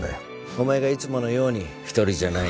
お前がいつものように「１人じゃない」